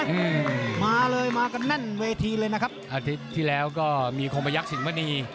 อืมมาเลยมากันแน่นเวทีเลยนะครับอาทิตย์ที่แล้วก็มีคมประยักษิงมณี